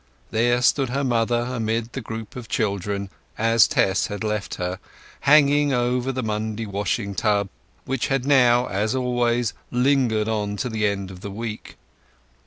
There stood her mother amid the group of children, as Tess had left her, hanging over the Monday washing tub, which had now, as always, lingered on to the end of the week.